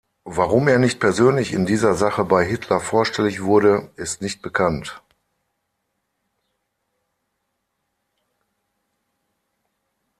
Warum er nicht persönlich in dieser Sache bei Hitler vorstellig wurde, ist nicht bekannt.